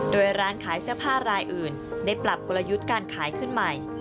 โดยร้านขายเสื้อผ้ารายอื่นได้ปรับกลยุทธ์การขายขึ้นใหม่